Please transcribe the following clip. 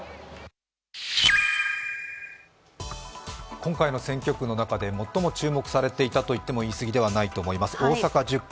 今回の選曲の中で最も注目されていたと言っても言い過ぎではないと思います、大阪１０区。